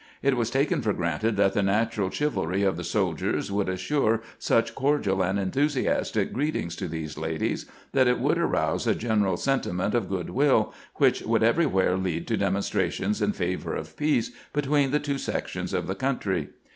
It was taken for granted that the natural chivalry of the soldiers would assure such cordial and enthusiastic greetings to these ladies that it would arouse a general sentiment of good will, which would everywhere lead to demonstra tions in favor of peace between the two sections of the country.